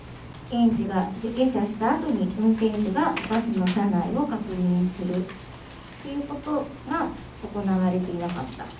園児が下車したあとに運転手がバスの車内を確認するということが行われていなかった。